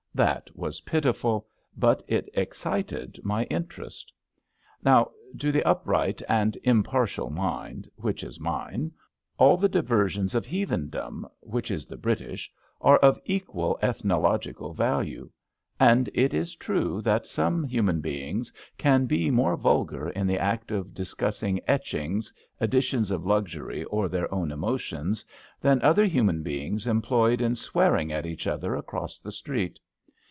That was pitiful, but it ex cited my interest. Now, to the upright and impartial mind — ^which is mine — all the diversions of Heathendom — ^which is the British — are of equal ethnological value. And it is true that some human beings can be more vulgar in the act of discussing etchings, edi tions of luxury, or their own emotions, than other 262 MY GEEAT AND ONLY 263 human beings employed in swearing at each other across the street.